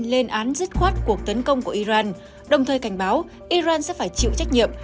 lên án dứt khoát cuộc tấn công của iran đồng thời cảnh báo iran sẽ phải chịu trách nhiệm